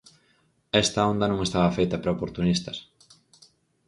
Esta onda non estaba feita para oportunistas.